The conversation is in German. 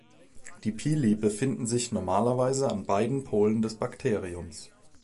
Die Pili befinden sich normalerweise an beiden Polen des Bakteriums.